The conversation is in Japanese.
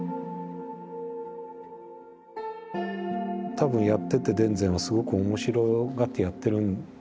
多分やってて田善はすごく面白がってやってるんだと思うんです。